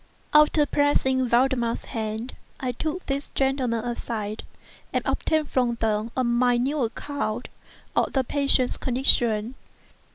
After pressing Valdemar's hand, I took these gentlemen aside, and obtained from them a minute account of the patient's condition.